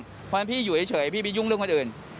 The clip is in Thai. เพราะฉะนั้นพี่อยู่เฉยพี่ไปยุ่งเรื่องคนอื่น